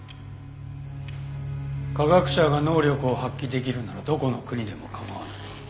「科学者が能力を発揮できるならどこの国でも構わない」。